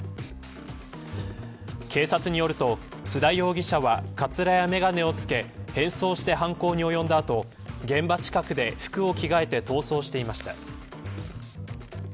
警察によると須田容疑者はかつらや眼鏡をつけ変装して犯行に及んだ後現場近くで服を着替えて逃走していました。